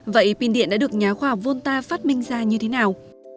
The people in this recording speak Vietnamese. vậy pin điện đã được nhà khoa học volta phát minh ra như thế nào